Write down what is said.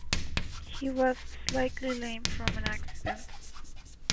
He was slightly lame from an accident.